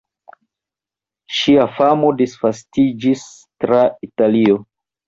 Ŝia famo disvastiĝis tra Italio.